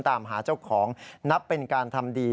ตามหาเจ้าของนับเป็นการทำดี